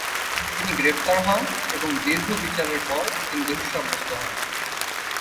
তিনি গ্রেপ্তার হন এবং দীর্ঘ বিচারের পর তিনি দোষী সাব্যাস্ত হন।